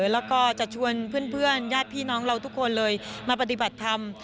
แล้วก็จะชวนเพื่อนญาติพี่น้องเราทุกคนเลยมาปฏิบัติธรรม